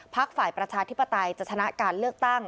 ฝ่ายประชาธิปไตยจะชนะการเลือกตั้ง